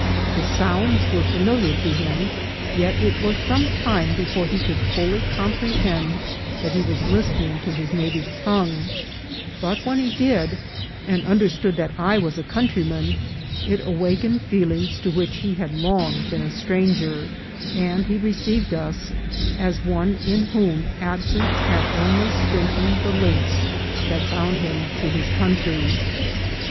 The sounds were familiar to him, yet it was some time be fore he could fully comprehend that he was listening to his native tongue ; but when he did, and understood that I was a countryman, it awakened feelings to which A VIRGINIAN MEXICAN. 249 he had long been a stranger, and he received us as one in whom absence had only strengthened the links that bound him to his country.